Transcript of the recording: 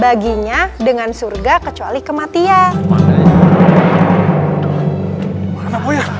baginya dengan surga kecuali kematian